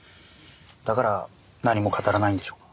だから何も語らないんでしょうか？